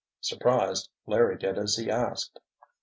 Surprised, Larry did as he asked.